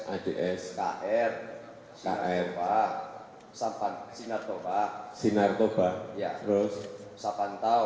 ads kr sinar toba sampantau sinar toba sampantau